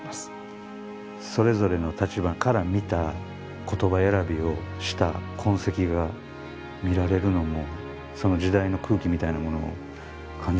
それぞれの立場から見た言葉選びをした痕跡が見られるのもその時代の空気みたいなものを感じますよね。